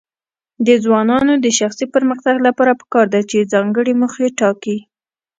د ځوانانو د شخصي پرمختګ لپاره پکار ده چې ځانګړي موخې ټاکي.